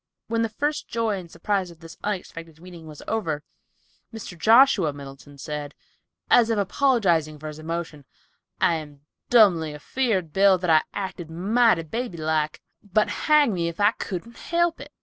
When the first joy and surprise of this unexpected meeting was over, Mr. Joshua Middleton said, as if apologizing for his emotion, "I'm dumbly afeard, Bill, that I acted mighty baby like, but hang me if I could help it.